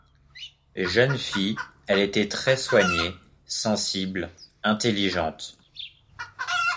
Jeune fille, elle était très soignée, sensible, intelligente.